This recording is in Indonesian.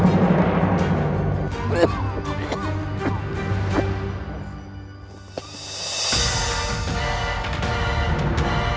aku akan menangkap mereka semua